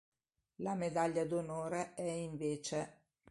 La medaglia d'onore è invece